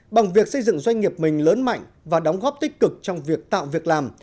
bằng việc xây dựng doanh nghiệp mình lớn mạnh và đóng góp tích cực trong việc tạo việc làm